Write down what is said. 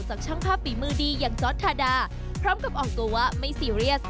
ช่างภาพฝีมือดีอย่างจอร์ดทาดาพร้อมกับออกตัวว่าไม่ซีเรียส